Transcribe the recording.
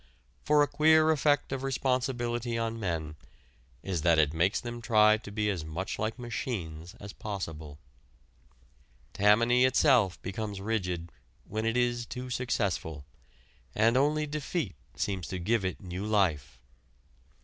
For a queer effect of responsibility on men is that it makes them try to be as much like machines as possible. Tammany itself becomes rigid when it is too successful, and only defeat seems to give it new life.